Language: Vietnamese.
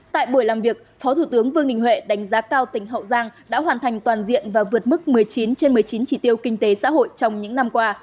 tại buổi làm việc phó thủ tướng vương đình huệ đánh giá cao tỉnh hậu giang đã hoàn thành toàn diện và vượt mức một mươi chín trên một mươi chín chỉ tiêu kinh tế xã hội trong những năm qua